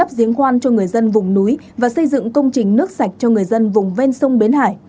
giếng khoan cho người dân vùng núi và xây dựng công trình nước sạch cho người dân vùng ven sông bến hải